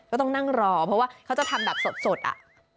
ก็ต้องนั่งรอเพราะว่าเขาจะทำแบบสดอ่ะ